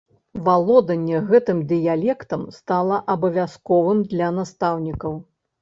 Валоданне гэтым дыялектам стала абавязковым для настаўнікаў.